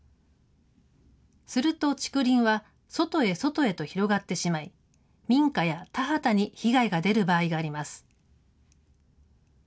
すると、竹林は外へ外へと広がってしまい、民家や田畑に被害が出る場合があります。